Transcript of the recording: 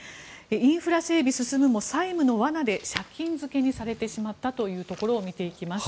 インフラ整備進むも債務の罠で借金漬けにされてしまったというところを見ていきます。